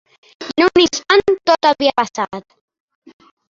I en un instant, tot havia passat.